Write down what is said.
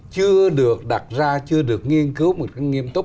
chưa được đặt ra chưa được nghiên cứu một cách nghiêm túc